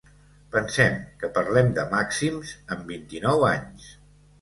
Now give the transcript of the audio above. Pensem que parlem de màxims en vint-i-nou anys.